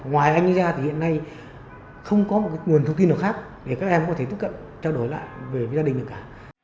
ngoài anh ấy ra thì hiện nay không có nguồn thông tin nào khác để các em có thể tiếp cận trao đổi lại với gia đình được cả